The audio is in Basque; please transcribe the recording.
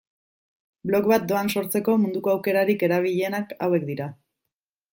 Blog bat doan sortzeko munduko aukerarik erabilienak hauek dira.